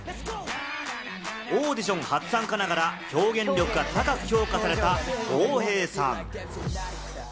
オーディション初参加ながら表現力が高く評価されたコウヘイさん。